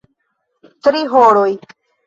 Tri horoj.